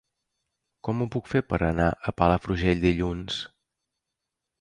Com ho puc fer per anar a Palafrugell dilluns?